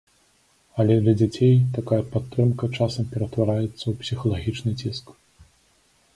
Але для дзяцей такая падтрымка часам ператвараецца ў псіхалагічны ціск.